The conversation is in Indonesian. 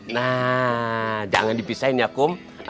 nah jangan dipisahin ya kum